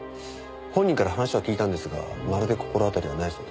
本人から話を聞いたんですがまるで心当たりはないそうです。